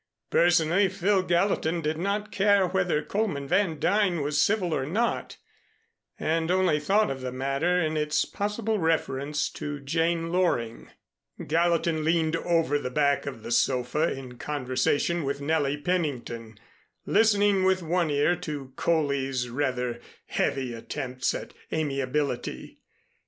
Personally, Phil Gallatin did not care whether Coleman Van Duyn was civil or not, and only thought of the matter in its possible reference to Jane Loring. Gallatin leaned over the back of the sofa in conversation with Nellie Pennington, listening with one ear to Coley's rather heavy attempts at amiability.